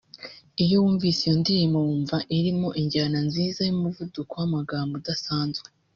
Iyo wumvise iyo ndirimbo wumva irimo injyana nziza n’umuvuduko w’amagambo udasanzwe